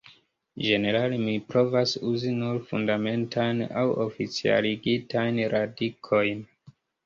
Ĝenerale mi provas uzi nur Fundamentajn aŭ oficialigitajn radikojn.